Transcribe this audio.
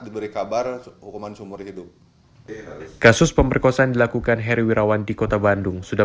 diberi kabar hukuman seumur hidup kasus pemerkosaan dilakukan heri wirawan di kota bandung sudah